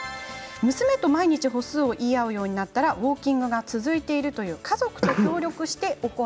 娘と毎日、歩数を言い合うようになったらウォーキングが続いているという方。